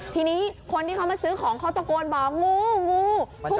ทีนี้คนที่เขามาซื้อของเขาตะโกนบอกงูงู